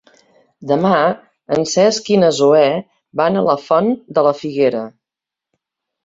Demà en Cesc i na Zoè van a la Font de la Figuera.